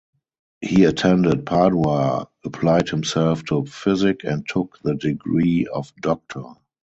He attended Padua, applied himself to physic, and took the degree of doctor.